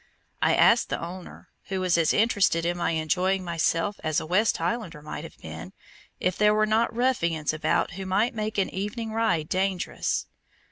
I asked the owner, who was as interested in my enjoying myself as a West Highlander might have been, if there were not ruffians about who might make an evening ride dangerous.